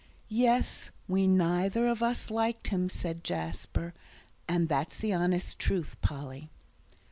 "Yes, we neither of us liked him," said Jasper, "and that's the honest truth, Polly."